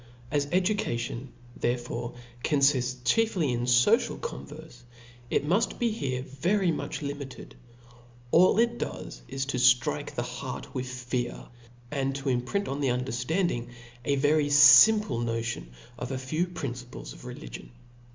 As education therefore confifts chiefly in focial converfe, it muft be here very much limited ; all it does is to ftrike the heart with fear, and to imprint on the underftanding a very fimple notion of a few principles of religion.